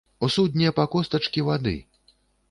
У судне па костачкі вады.